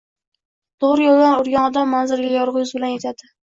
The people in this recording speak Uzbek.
to’g’ri yo’ldan yurgan odam manziliga yorug’ yuz bilan yetadi.